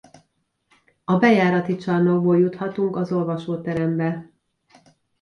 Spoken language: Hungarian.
A bejárati csarnokból juthatunk az olvasóterembe.